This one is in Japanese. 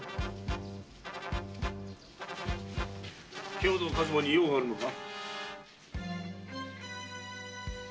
兵藤数馬に用があるのか？